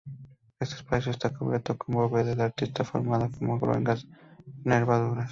Este espacio está cubierto con bóveda de arista formada con gruesas nervaduras.